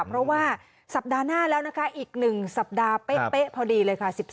เพราะว่าสัปดาห์หน้าแล้วนะคะอีก๑สัปดาห์เป๊ะพอดีเลยค่ะ